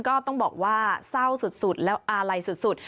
ก็ต้องบอกว่าเศร้าสุดแล้วอาลัยสุด